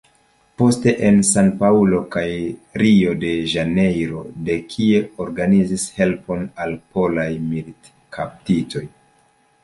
Poste en San-Paŭlo kaj Rio-de-Ĵanejro, de kie organizis helpon al polaj militkaptitoj.